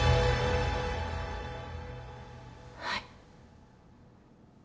はい？